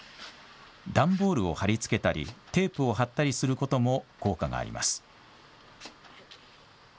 段ボールを貼りつけたり、テープを貼ったりすることも効果があります。